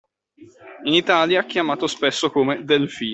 In Italia chiamato spesso come “delfino”.